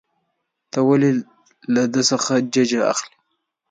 ته ولې له ده څخه ججه اخلې.